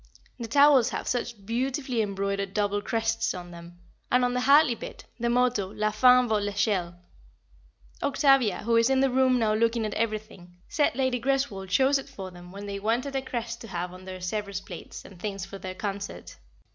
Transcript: The towels have such beautifully embroidered double crests on them, and on the Hartley bit, the motto is "La fin vaut l'eschelle." Octavia, who is in the room now looking at everything, said Lady Greswold chose it for them when they wanted a crest to have on their Sèvres plates and things for their concert.